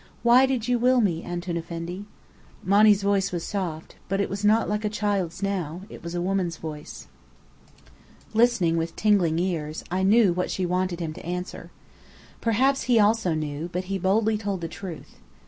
Why did you will me, Antoun Effendi?" Monny's voice was soft. But it was not like a child's now. It was a woman's voice. Listening with tingling ears, I knew what she wanted him to answer. Perhaps he also knew, but he boldly told the truth.